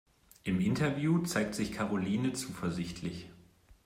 Im Interview zeigt sich Karoline zuversichtlich.